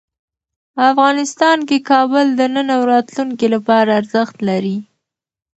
افغانستان کې کابل د نن او راتلونکي لپاره ارزښت لري.